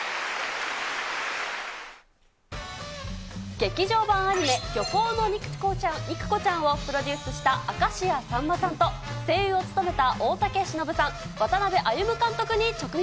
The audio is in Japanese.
劇場版アニメ、漁港の肉子ちゃんをプロデュースした明石家さんまさんと、声優を務めた大竹しのぶさん、渡辺歩監督に直撃。